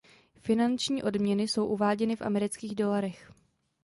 Finanční odměny jsou uváděny v amerických dolarech.